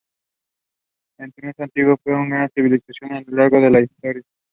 El Túnez antiguo fue una gran civilización a lo largo de la historia.